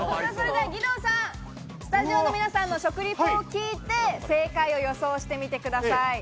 義堂さん、スタジオの皆さんの食リポを聞いて、正解を予想してみてください。